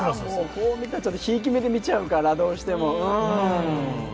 こう見たら、ひいき目で見ちゃうからどうしても。